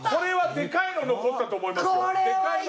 でかいのが残ったと思います。